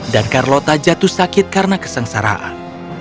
dan carlota jatuh sakit karena kesengsaraan